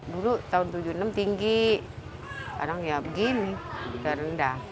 dulu tahun seribu sembilan ratus tujuh puluh enam tinggi sekarang ya begini sudah rendah